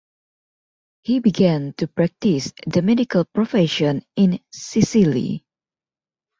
He began to practise the medical profession in Sicily.